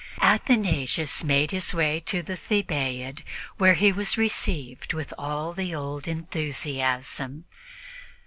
Athanasius made his way to the Thebaid, where he was received with all the old enthusiasm.